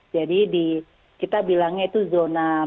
jadi di kita bilangnya itu zona dua